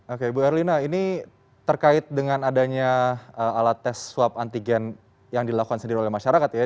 oke ibu erlina ini terkait dengan adanya alat tes swab antigen yang dilakukan sendiri oleh masyarakat ya